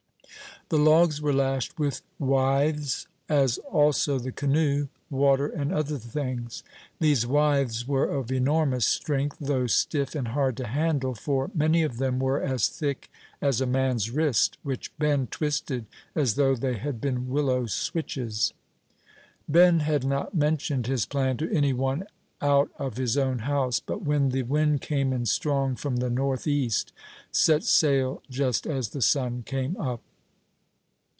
The logs were lashed with withes, as also the canoe, water, and other things. These withes were of enormous strength, though stiff and hard to handle; for many of them were as thick as a man's wrist, which Ben twisted as though they had been willow switches. Ben had not mentioned his plan to any one out of his own house, but, when the wind came in strong from the north east, set sail just as the sun came up.